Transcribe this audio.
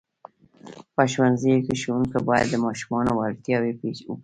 په ښوونځیو کې ښوونکي باید د ماشومانو وړتیاوې وپېژني.